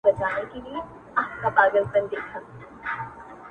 ریاستونو، امریتونو او ماموریتونو به څه حال وي